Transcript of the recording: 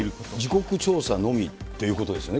自国調査のみということですよね。